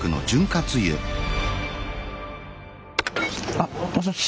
あもしもし